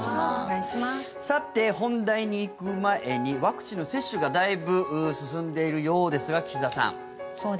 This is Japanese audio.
さて、本題に行く前にワクチンの接種がだいぶ進んでいるようですが岸田さん。